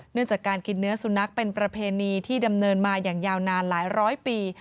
เนื่องจากการกินเนื้อสุนัขเป็นประเพณีที่ดำเนินมาอย่างยาวนานหลายร้อยปี